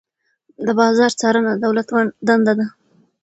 د بازار څارنه د دولت دنده ده.